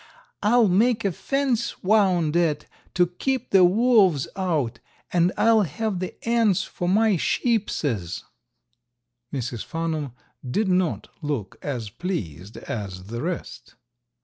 "I'll make a fence wound it to keep the wolves out, and I'll have the ants for my sheepses." Mrs. Farnum did not look as pleased as the rest.